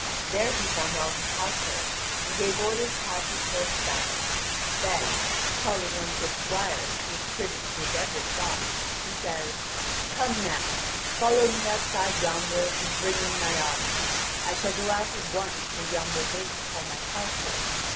There he found all his household, and gave orders to have his horse saddled; then, calling one of his squires who was privy to his every thought, he says: "Come now, follow me outside yonder, and bring me my arms. I shall go out at once through yonder gate upon my palfrey.